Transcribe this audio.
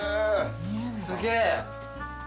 すげえ。